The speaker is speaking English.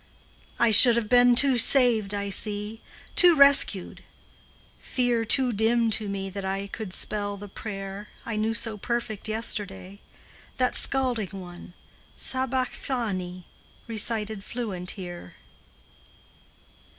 I should have been too saved, I see, Too rescued; fear too dim to me That I could spell the prayer I knew so perfect yesterday, That scalding one, "Sabachthani," Recited fluent here.